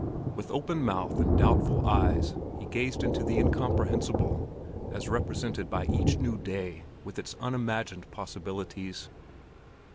With open mouth and doubtful eyes he gazed into the incomprehensible as represented by each new day with all its unimagined possibilities.